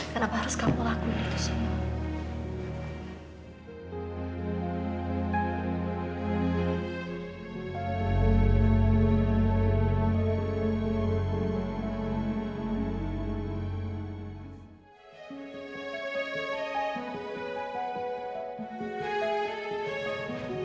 kenapa harus kamu lakuin itu semua